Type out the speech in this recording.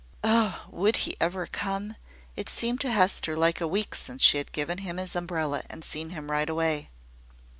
Oh! would he ever come? It seemed to Hester like a week since she had given him his umbrella, and seen him ride away.